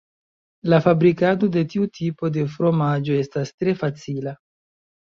La fabrikado de tiu tipo de fromaĝo estas tre facila.